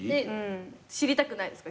知りたくないですか？